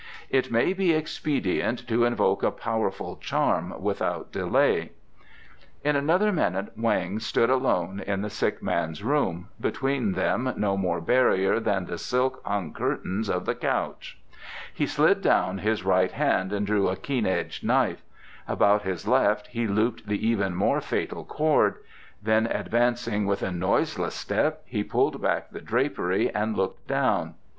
It may be expedient to invoke a powerful charm without delay." In another minute Weng stood alone in the sick man's room, between them no more barrier than the silk hung curtains of the couch. He slid down his right hand and drew a keen edged knife; about his left he looped the even more fatal cord; then advancing with a noiseless step he pulled back the drapery and looked down.